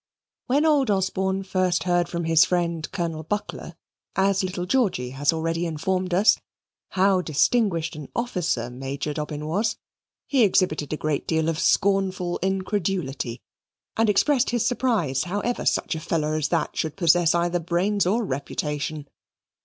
When old Osborne first heard from his friend Colonel Buckler (as little Georgy had already informed us) how distinguished an officer Major Dobbin was, he exhibited a great deal of scornful incredulity and expressed his surprise how ever such a feller as that should possess either brains or reputation.